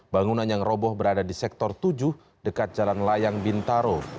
bangunan yang roboh berada di sektor tujuh dekat jalan layang bintaro